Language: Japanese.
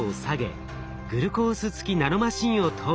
グルコースつきナノマシンを投与。